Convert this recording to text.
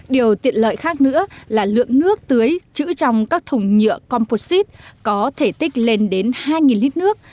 điều tiện lợi khác nữa là lượng nước tưới chữ trong các thùng nhựa composite có thể tích lên đến hai lít nước